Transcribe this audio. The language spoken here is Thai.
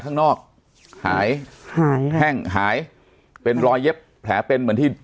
หายหงแหดงหายเป็นรอยเย็บแผลเป็นเหมือนที่